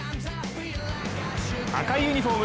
赤いユニフォーム